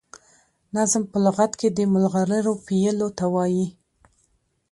نظم په لغت کي د ملغرو پېيلو ته وايي.